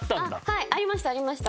はいありましたありました。